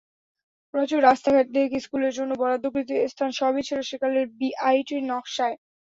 প্রচুর রাস্তাঘাট, লেক, স্কুলের জন্য বরাদ্দকৃত স্থান, সবই ছিল সেকালের ডিআইটির নকশায়।